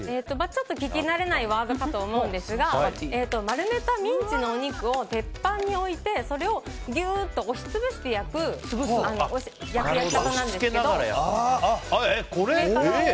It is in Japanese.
ちょっと聞き慣れないワードかと思うんですが丸めたミンチのお肉を鉄板に置いてそれをぎゅーっと押し潰して焼く焼き方なんですけど。